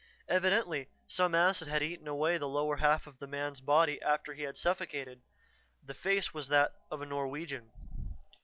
Evidently some acid had eaten away the lower half of the man's body after he had suffocated. The face was that of a Norwegian.